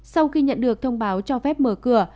sau khi nhận được thông báo cho phép mở cửa